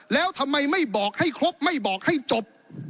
แล้วทำไมไม่บอกให้ครบไม่บอกให้จบ